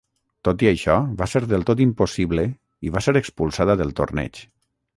Tot i això, va ser del tot impossible i va ser expulsada del torneig.